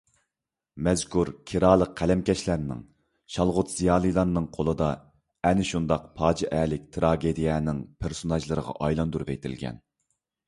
مەزكۇر كىرالىق قەلەمكەشلەرنىڭ، شالغۇت زىيالىيلارنىڭ قولىدا ئەنە شۇنداق پاجىئەلىك تىراگېدىيەنىڭ پېرسوناژلىرىغا ئايلاندۇرۇۋېتىلگەن.